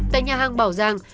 tại nhà hàng bảo giang